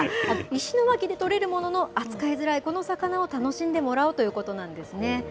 石巻で取れるものの、扱いづらいこの魚を楽しんでもらおうということなんです。